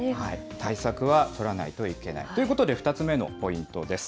対策は取らないといけない、ということで、２つ目のポイントです。